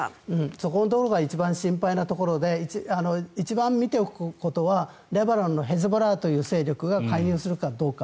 そこのところが一番心配なところで一番見ておくことはレバノンのヒズボラという勢力が介入するかどうか。